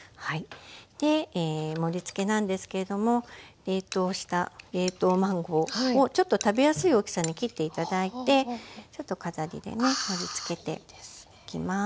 で盛りつけなんですけれども冷凍した冷凍マンゴーをちょっと食べやすい大きさに切って頂いてちょっと飾りでね盛りつけていきます。